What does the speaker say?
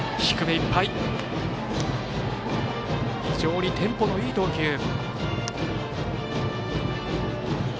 非常にテンポのいい投球。